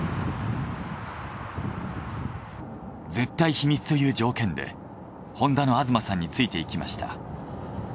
絶対秘密という条件でホンダの東さんについて行きました。